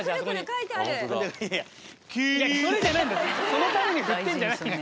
そのために振ってんじゃないのよ。